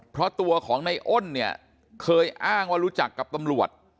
เพราะตัวของในอ้นเนี่ยเคยอ้างว่ารู้จักกับตำรวจ